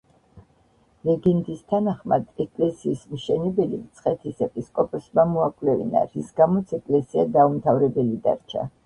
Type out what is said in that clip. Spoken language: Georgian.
ლეგენდის თანახმად, ეკლესიის მშენებელი მცხეთის ეპისკოპოსმა მოაკვლევინა, რის გამოც ეკლესია დაუმთავრებელი დარჩა.